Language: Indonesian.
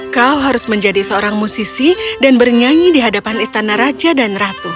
kau harus menjadi seorang musisi dan bernyanyi di hadapan istana raja dan ratu